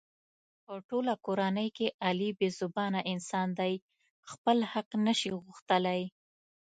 په ټوله کورنۍ کې علي بې زبانه انسان دی. خپل حق نشي غوښتلی.